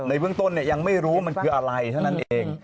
เบื้องต้นยังไม่รู้ว่ามันคืออะไรเท่านั้นเอง